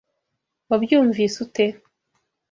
Wabyumvise ute?